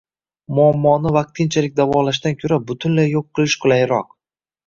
Muammoni vatqinchalik davolashdan koʻra, butunlay yoʻq qilish qulayroq.